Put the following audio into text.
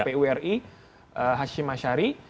karena terlihat namanya itu kpu ri hashim ashari